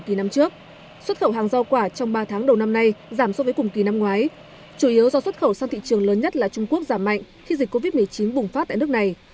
trong xuất khẩu hàng giao quả trong ba tháng đầu năm nay giảm so với cùng kỳ năm ngoái chủ yếu do xuất khẩu sang thị trường lớn nhất là trung quốc giảm mạnh khi dịch covid một mươi chín bùng phát tại nước này